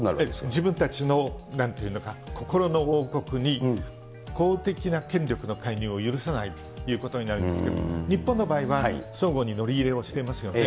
自分たちのなんていうのか、心の王国に公的な権力の介入を許さないということになりますけれども、日本の場合は、相互に乗り入れをしてますよね。